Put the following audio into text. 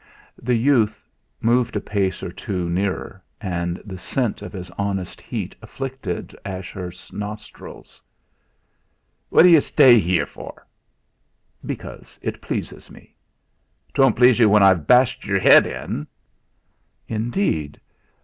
The youth moved a pace or two nearer, and the scent of his honest heat afflicted Ashurst's nostrils. "What d'yu stay yere for?" "Because it pleases me." "Twon't please yu when I've bashed yure head in!" "Indeed!